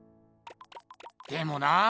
でもなあ